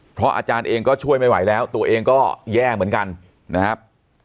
เพราะอาจารย์เองก็ช่วยไม่ไหวแล้วตัวเองก็แย่เหมือนกันนะครับ